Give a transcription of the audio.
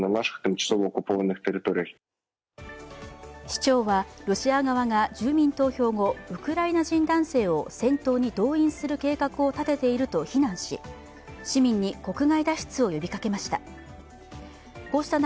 市長はロシア側が住民投票後ウクライナ人男性を戦闘に動員する計画を立てていると非難し市民に国外脱出を呼びかけました。